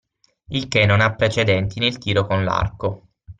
Il che non ha precedenti nel tiro con l'arco.